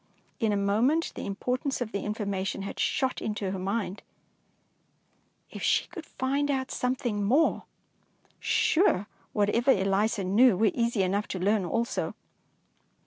In a moment the impor tance of the information had shot into her mind ! If she could find out some thing more ! Sure, whatever Eliza knew were easy enough to learn also.